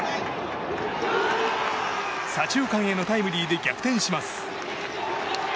左中間へのタイムリーで逆転します。